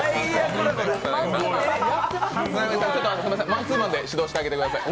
マンツーマンで指導してあげてください。